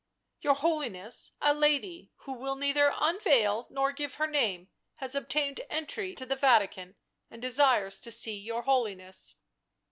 " Your Holiness, a lady, who will neither unveil nor give her name, has obtained entry to the Vatican and desires to see your Holiness."